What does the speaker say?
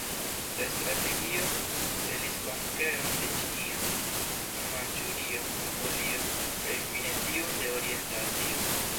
La strategio celis konkeron de Ĉinio, Manĉurio, Mongolio kaj fine tiun de orienta Azio.